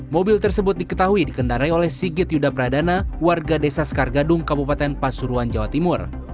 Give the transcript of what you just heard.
mobil tersebut diketahui dikendarai oleh sigit yuda pradana warga desa sekar gadung kabupaten pasuruan jawa timur